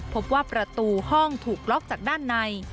พบว่าประตูห้องถูกล็อกจากด้านใน